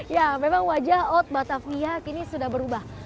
ya memang wajah ot batavia kini sudah berubah